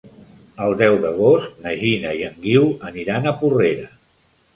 El deu d'agost na Gina i en Guiu aniran a Porrera.